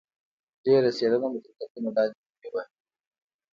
ډېره څېړنه مو تر کتلو لاندې ونیوه.